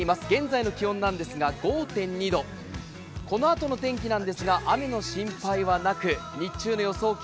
現在の気温なんですが５．２度、このあとの天気ですが、雨の心配はなく日中の予想